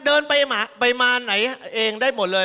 เดินไปมาไหนเองได้หมดเลย